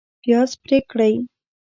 پیاز پرې کړئ